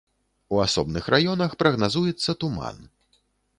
У асобных раёнах прагназуецца туман.